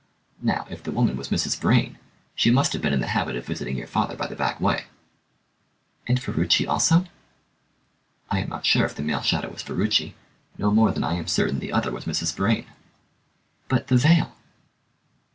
Now, if the woman was Mrs. Vrain, she must have been in the habit of visiting your father by the back way." "And Ferruci also?" "I am not sure if the male shadow was Ferruci, no more than I am certain the other was Mrs. Vrain." "But the veil?"